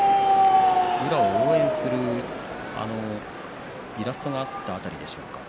宇良を応援するイラストがあった辺りでしょうか。